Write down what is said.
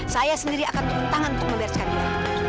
saya sendiri akan berhentangan untuk memberdekat dia